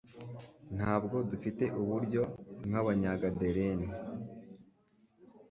Ntabwo dufite uburyo nk'Abanyagadaleni,